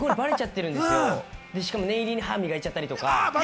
しかも念入りに歯を磨いちゃったりとか。